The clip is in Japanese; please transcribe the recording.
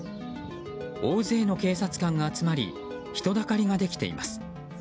大勢の警察官が集まり人だかりができています。